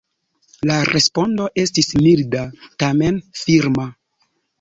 La respondo estis milda, tamen firma.